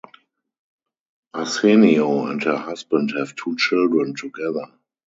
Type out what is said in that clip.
Asensio and her husband have two children together.